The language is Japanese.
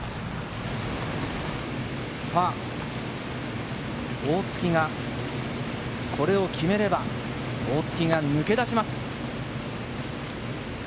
さぁ大槻がこれを決めれば大槻が抜け出します。